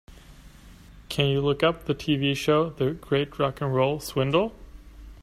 Can you look up the TV show, The Great Rock 'n' Roll Swindle?